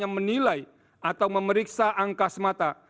makamah tidak hanya memutus sebatas angka angka statistik semata